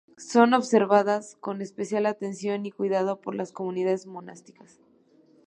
Son observadas con especial atención y cuidado por las comunidades monásticas.